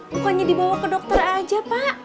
bukannya dibawa ke dokter aja pak